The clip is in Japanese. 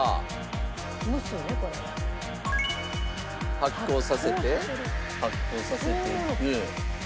発酵させて発酵させていく。